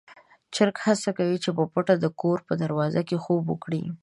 چرګ هڅه کوي چې په پټه د کور په دروازه کې خوب وکړي.